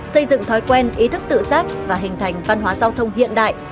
xây dựng thói quen ý thức tự giác và hình thành văn hóa giao thông hiện đại